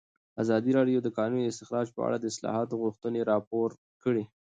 ازادي راډیو د د کانونو استخراج په اړه د اصلاحاتو غوښتنې راپور کړې.